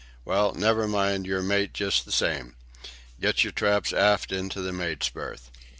"Well, never mind; you're mate just the same. Get your traps aft into the mate's berth."